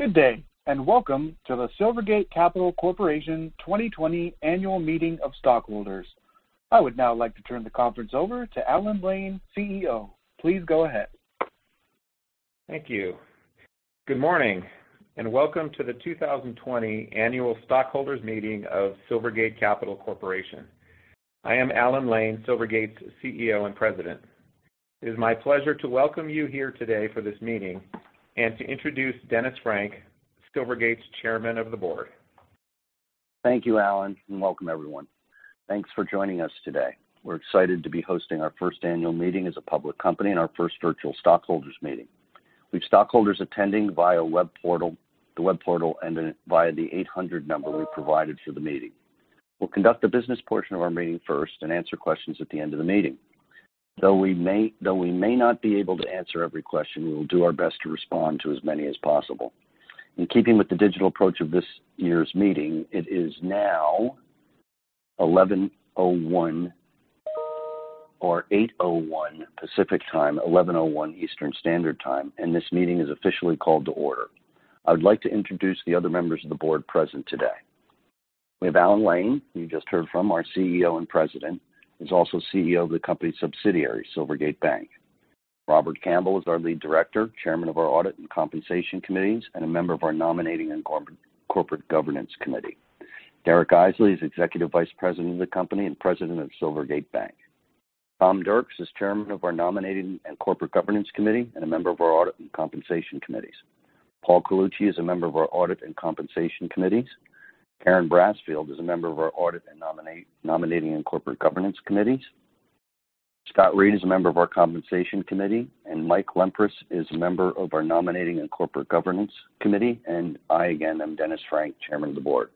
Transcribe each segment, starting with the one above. Good day, welcome to the Silvergate Capital Corporation 2020 annual meeting of stockholders. I would now like to turn the conference over to Alan Lane, CEO. Please go ahead. Thank you. Good morning, and welcome to the 2020 annual stockholders meeting of Silvergate Capital Corporation. I am Alan Lane, Silvergate's CEO and President. It is my pleasure to welcome you here today for this meeting and to introduce Dennis Frank, Silvergate's Chairman of the Board. Thank you, Alan, and welcome everyone. Thanks for joining us today. We're excited to be hosting our first annual meeting as a public company and our first virtual stockholders meeting. We have stockholders attending via the web portal and via the 800 number we provided for the meeting. We'll conduct the business portion of our meeting first and answer questions at the end of the meeting. Though we may not be able to answer every question, we will do our best to respond to as many as possible. In keeping with the digital approach of this year's meeting, it is now 11:01 A.M. or 8:01 A.M. Pacific Time, 11:01 A.M. Eastern Standard Time. This meeting is officially called to order. I would like to introduce the other members of the board present today. We have Alan Lane, who you just heard from, our CEO and President, who's also CEO of the company's subsidiary, Silvergate Bank. Robert Campbell is our Lead Director, Chairman of our Audit and Compensation Committees, and a member of our Nominating and Corporate Governance Committee. Derek Eisele is Executive Vice President of the company and President of Silvergate Bank. Tom Dircks is Chairman of our Nominating and Corporate Governance Committee and a member of our Audit and Compensation Committees. Paul Colucci is a member of our Audit and Compensation Committees. Karen Brassfield is a member of our Audit and Nominating and Corporate Governance Committees. Scott Reed is a member of our Compensation Committee. Mike Lempres is a member of our Nominating and Corporate Governance Committee. I, again, am Dennis Frank, Chairman of the Board.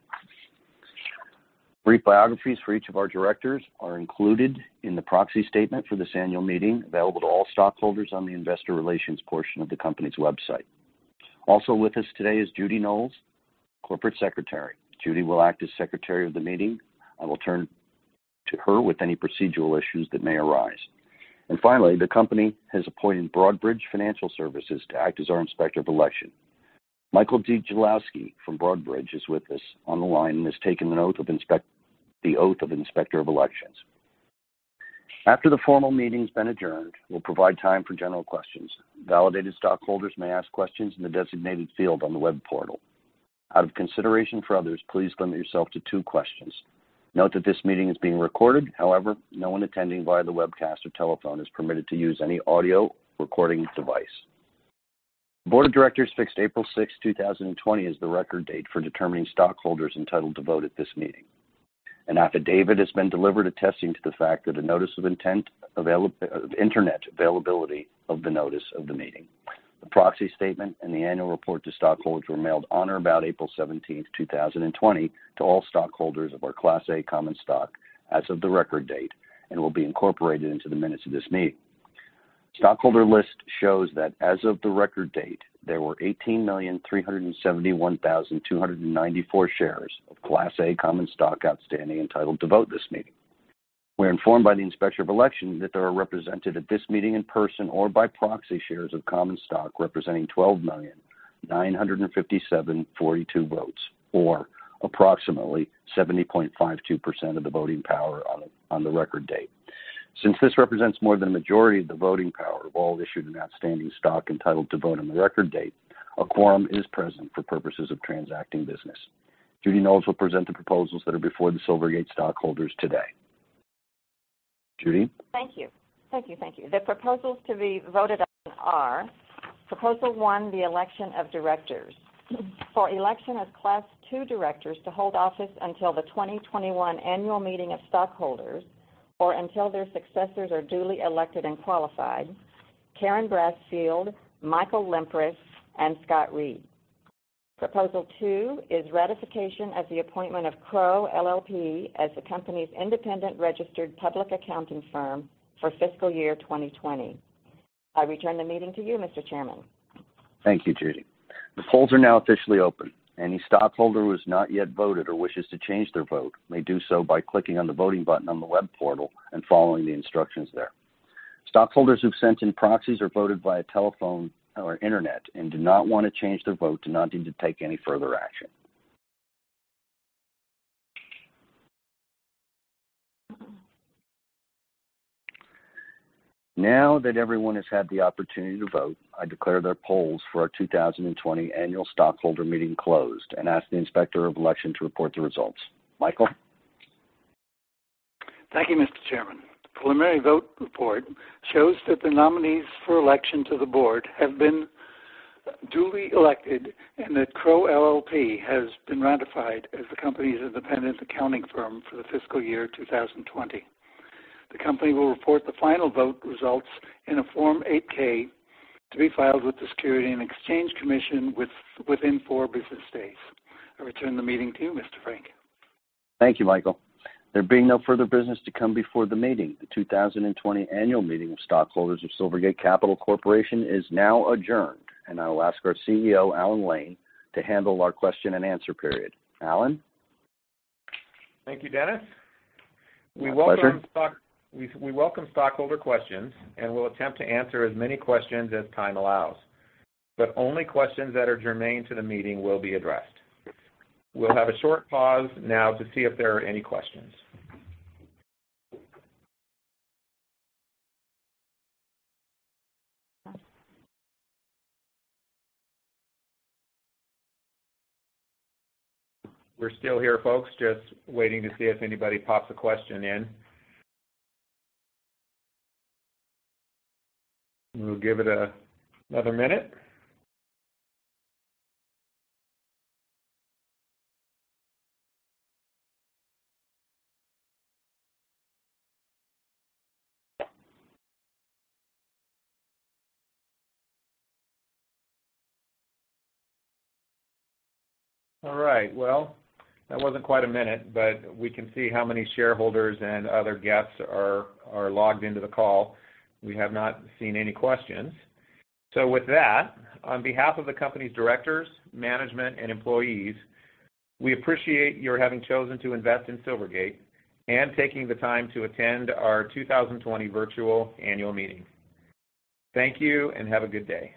Brief biographies for each of our directors are included in the proxy statement for this annual meeting, available to all stockholders on the investor relations portion of the company's website. Also with us today is Judy Knowles, Corporate Secretary. Judy will act as Secretary of the meeting. I will turn to her with any procedural issues that may arise. Finally, the company has appointed Broadridge Financial Solutions to act as our Inspector of Election. Michael Jim Kwiatkowski from Broadridge is with us on the line and has taken the oath of Inspector of Elections. After the formal meeting has been adjourned, we'll provide time for general questions. Validated stockholders may ask questions in the designated field on the web portal. Out of consideration for others, please limit yourself to two questions. Note that this meeting is being recorded. However, no one attending via the webcast or telephone is permitted to use any audio recording device. The board of directors fixed April 6th, 2020, as the record date for determining stockholders entitled to vote at this meeting. An affidavit has been delivered attesting to the fact that a notice of intent, internet availability of the notice of the meeting, the proxy statement and the annual report to stockholders were mailed on or about April 17th, 2020, to all stockholders of our Class A common stock as of the record date and will be incorporated into the minutes of this meeting. The stockholder list shows that as of the record date, there were 18,371,294 shares of Class A common stock outstanding entitled to vote at this meeting. We're informed by the Inspector of Election that there are represented at this meeting in person or by proxy shares of common stock representing 12,957,042 votes, or approximately 70.52% of the voting power on the record date. Since this represents more than a majority of the voting power of all issued and outstanding stock entitled to vote on the record date, a quorum is present for purposes of transacting business. Judy Knowles will present the proposals that are before the Silvergate stockholders today. Judy? Thank you. The proposals to be voted on are, Proposal 1, the election of directors. For election as Class 2 directors to hold office until the 2021 annual meeting of stockholders or until their successors are duly elected and qualified, Karen Brassfield, Michael Lempres, and Scott Reed. Proposal 2 is ratification of the appointment of Crowe LLP as the company's independent registered public accounting firm for fiscal year 2020. I return the meeting to you, Mr. Chairman. Thank you, Judy. The polls are now officially open. Any stockholder who has not yet voted or wishes to change their vote may do so by clicking on the voting button on the web portal and following the instructions there. Stockholders who've sent in proxies or voted via telephone or internet and do not want to change their vote do not need to take any further action. Now that everyone has had the opportunity to vote, I declare the polls for our 2020 annual stockholder meeting closed and ask the Inspector of Election to report the results. Michael? Thank you, Mr. Chairman. The preliminary vote report shows that the nominees for election to the board have been duly elected and that Crowe LLP has been ratified as the company's independent accounting firm for the fiscal year 2020. The company will report the final vote results in a Form 8-K to be filed with the Securities and Exchange Commission within four business days. I return the meeting to you, Mr. Frank. Thank you, Michael. There being no further business to come before the meeting, the 2020 annual meeting of stockholders of Silvergate Capital Corporation is now adjourned, and I will ask our CEO, Alan Lane, to handle our question and answer period. Alan? Thank you, Dennis. My pleasure. We welcome stockholder questions and will attempt to answer as many questions as time allows. Only questions that are germane to the meeting will be addressed. We'll have a short pause now to see if there are any questions. We're still here folks, just waiting to see if anybody pops a question in. We'll give it another minute. All right. Well, that wasn't quite a minute, but we can see how many shareholders and other guests are logged into the call. We have not seen any questions. With that, on behalf of the company's directors, management, and employees, we appreciate your having chosen to invest in Silvergate and taking the time to attend our 2020 virtual annual meeting. Thank you, and have a good day.